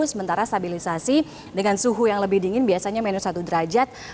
sementara stabilisasi dengan suhu yang lebih dingin biasanya minus satu derajat